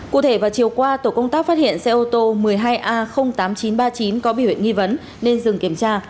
cụ thể vào chiều qua tổ công tác phát hiện xe ô tô một mươi hai a tám nghìn chín trăm ba mươi chín có biểu hiện nghi vấn nên dừng kiểm tra